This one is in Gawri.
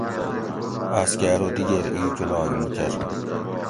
آس کہ ارو دِگیر اِیں جولاگ مُو کۤر